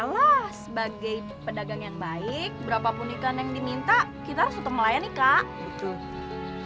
alah sebagai pedagang yang baik berapapun ikan yang diminta kita harus utuh melayani kak